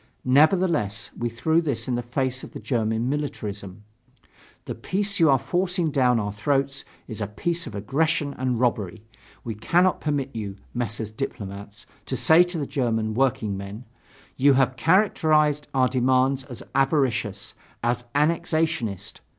Nevertheless, we threw this in the face of the German militarism: The peace you are forcing down our throats is a peace of aggression and robbery. We cannot permit you, Messrs. Diplomats, to say to the German workingmen: "You have characterized our demands as avaricious, as annexationist.